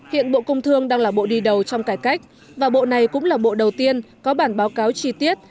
hiện bộ công thương đang là bộ đi đầu trong cải cách và bộ này cũng là bộ đầu tiên có bản báo cáo chi tiết